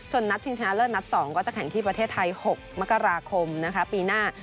ส่วนนัดชิงชนะเลิศนัด๒ก็จะแข่งที่ประเทศไทย๖มกราคมปีหน้า